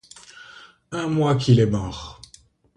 Un mois qu'il est mort!